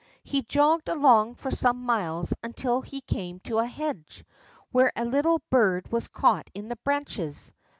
He jogged along for some miles until he came to a hedge, where a little bird was caught in the branches.